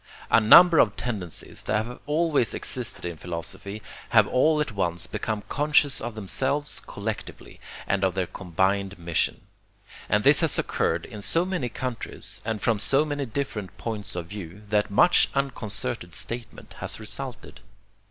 A number of tendencies that have always existed in philosophy have all at once become conscious of themselves collectively, and of their combined mission; and this has occurred in so many countries, and from so many different points of view, that much unconcerted statement has resulted.